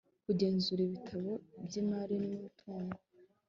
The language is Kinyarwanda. kugenzura ibitabo by imari n umutungo